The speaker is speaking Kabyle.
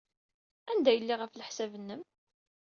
Anda ay lliɣ, ɣef leḥsab-nnem?